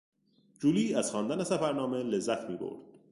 جولی از خواندن سفر نامه لذت میبرد.